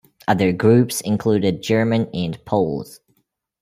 Other groups included German and Poles.